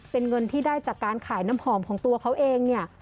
เป็นเงินที่ได้จากการขายน้ำหอมของตัวเขาเองเนี่ย